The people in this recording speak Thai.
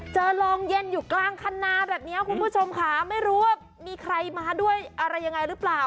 เจอโรงเย็นอยู่กลางคันนาแบบนี้คุณผู้ชมค่ะไม่รู้ว่ามีใครมาด้วยอะไรยังไงหรือเปล่า